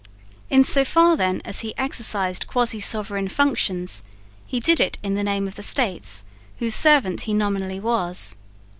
In so far, then, as he exercised quasi sovereign functions, he did it in the name of the States, whose servant he nominally was.